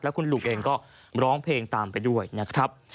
คุณลุงเองก็ร้องเพลงตามไปด้วยนะครับ